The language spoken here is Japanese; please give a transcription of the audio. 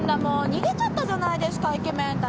逃げちゃったじゃないですかイケメンたち。